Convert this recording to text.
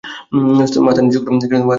মাথা নিচু করো!